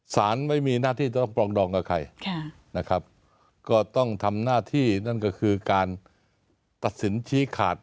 สารไม่มีหน้าที่จะต้องปรองดองกับใครนะครับ